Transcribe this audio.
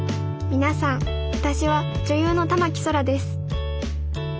皆さん私は女優の田牧そらです